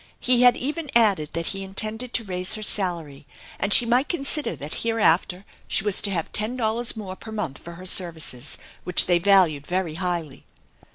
He had even added that he intended to raise her salary, and she might consider that hereafter she was to have ten dollars more per month for her services, which they valued very highly.